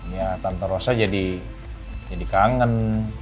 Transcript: ya tante rosa jadi kangen